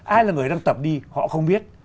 ai là người đang tập đi họ không biết